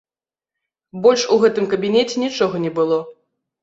Больш у гэтым кабінеце нічога не было.